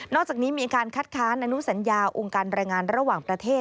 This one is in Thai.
อกจากนี้มีการคัดค้านอนุสัญญาองค์การรายงานระหว่างประเทศ